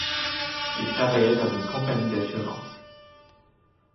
Il travaillait dans une compagnie d'assurance.